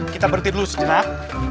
kita berhenti dulu sejenak